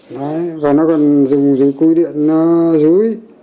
đấy và nó còn dùng dưới cúi điện nó rúi